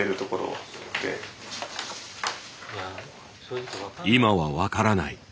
「いまは分からない」。